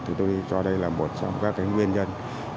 thì tôi cho đây là một trong các cái nguyên nhân